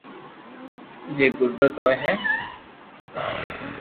جي غريب ھوئي ھي